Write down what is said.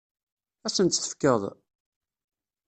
Ad asen-tt-tefkeḍ?